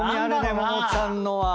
ももちゃんのは。